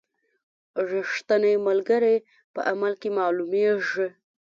رښتینی ملګری په عمل کې معلومیږي.